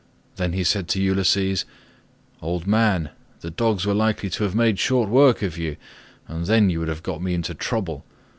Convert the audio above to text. Then he said to Ulysses, "Old man, the dogs were likely to have made short work of you, and then you would have got me into trouble.